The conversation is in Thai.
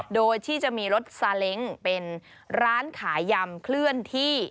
โดยที่จะมีรถซาเล้งเป็นร้านขายยำเคลื่อนที่